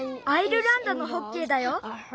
アイルランドのホッケーだよ。